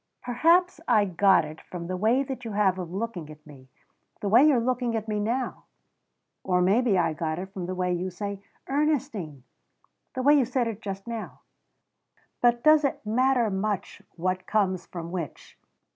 "Perhaps I 'got it' from that way you have of looking at me the way you're looking at me now; or maybe I got it from the way you say 'Ernestine' the way you said it just now. But does it matter much what comes from which?"